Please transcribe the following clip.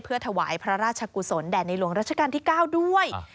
ถวายพระราชกุศลแด่ในหลวงรัชกาลที่๙ด้วย